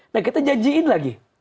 nah kita janjiin lagi